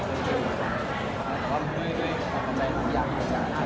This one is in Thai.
อันนี้ก็คือความตั้งใจที่เราอยากงอไปแปนน่ะ